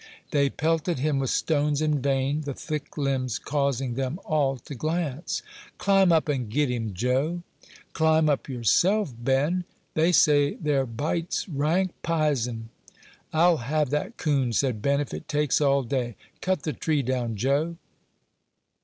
They pelted him with stones in vain, the thick limbs causing them all to glance. "Climb up and get him, Joe." "Climb up yourself, Ben; they say their bite's rank 'pizen.'" "I'll have that coon," said Ben, "if it takes all day. Cut the tree down, Joe."